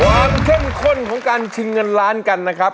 เข้มข้นของการชิงเงินล้านกันนะครับ